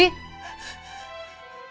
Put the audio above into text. emak sama bapak mikirin kamu lagi